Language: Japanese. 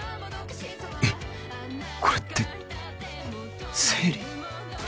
えっこれって生理！？